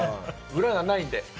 裏がないんで。